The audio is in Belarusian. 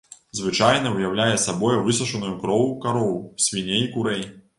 Звычайна ўяўляе сабой высушаную кроў кароў, свіней, курэй.